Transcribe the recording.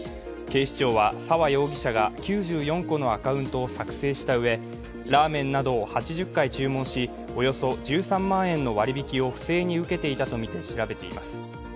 警視庁は、沢容疑者が９４個のアカウントを作成したうえラーメンなどを８０回注文しおよそ１３万円の割引を不正に受けていたとみて調べています。